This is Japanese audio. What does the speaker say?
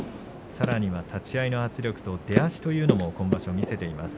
さらには立ち合いの圧力出足というのも今場所見せています。